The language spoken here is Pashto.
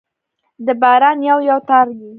د باران یو، یو تار يې